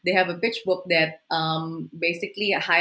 mereka memiliki buku pijak yang